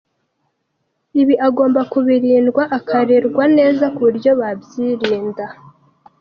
Ibi agomba kubirindwa akarerwa neza ku buryo babyirinda.